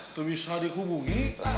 itu bisa dihubungi